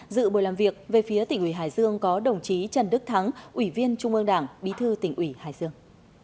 dự buổi làm việc về phía tỉnh ủy hải dương có đồng chí trần đức thắng ủy viên trung ương đảng bí thư tỉnh ủy hải dương